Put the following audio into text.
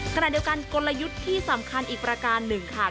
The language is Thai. ขณะเดียวกันกลยุทธ์ที่สำคัญอีกประการหนึ่งค่ะ